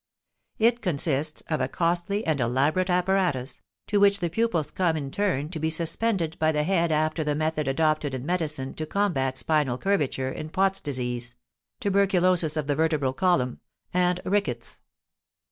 It consists of a costly and elaborate apparatus, to which the pupils come in turn to be suspended by the head after the method adopted in medicine to combat spinal curvature in Pott's disease (tuberculosis of the vertebral column) and rickets.